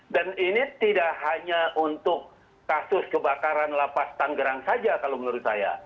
dan ini tidak hanya untuk kasus kebakaran lapas tanggerang saja kalau menurut saya